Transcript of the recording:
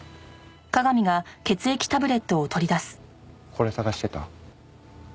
これ捜してた？